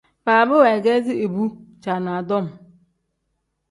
Baaba weegeezi ibu caanadom.